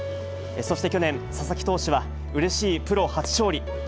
そして去年、佐々木投手はうれしいプロ初勝利。